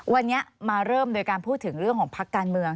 วันนี้มาเริ่มโดยการพูดถึงเรื่องของพักการเมือง